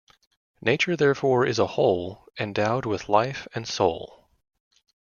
Nature therefore is a whole, endowed with life and soul.